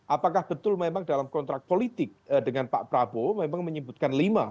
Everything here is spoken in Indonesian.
apakah betul memang dalam kontrak politik dengan pak prabowo memang menyebutkan lima